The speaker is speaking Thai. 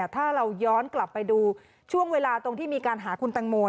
ถ้าเราย้อนกลับไปดูช่วงเวลาตรงที่มีการหาคุณตังโม